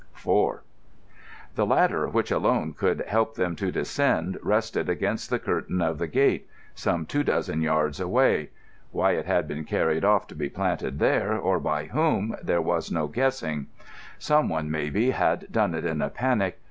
IV The ladder which alone could help them to descend rested against the curtain of the gate, some two dozen yards away. Why it had been carried off to be planted there, or by whom, there was no guessing. Someone, maybe, had done it in a panic.